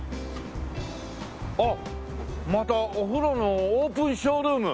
あっまたお風呂のオープンショールーム？